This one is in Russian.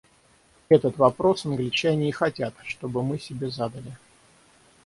Этот вопрос англичане и хотят, чтобы мы себе задали.